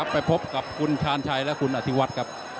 ไปพบกับคุณชาญชัยและคุณอธิวัฒน์ครับ